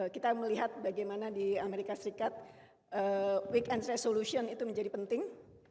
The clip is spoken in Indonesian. kita melihat bagaimana di amerika serikat weekend resolution itu menjadi penting